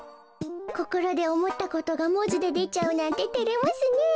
こころでおもったことがもじででちゃうなんててれますねえ。